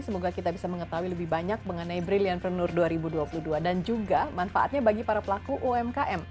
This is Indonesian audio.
semoga kita bisa mengetahui lebih banyak mengenai brilliantpreneur dua ribu dua puluh dua dan juga manfaatnya bagi para pelaku umkm